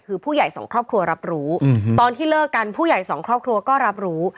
คือผู้ใหญ่สองครอบครัวรับรู้ตอนที่เลิกกันผู้ใหญ่สองครอบครัวก็รับรู้